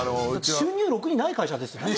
収入ろくにない会社ですよね？